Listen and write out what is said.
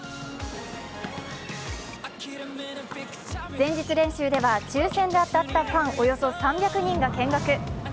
前日練習では抽選で当たったファンおよそ３００人が見学。